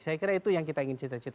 saya kira itu yang kita ingin cita cita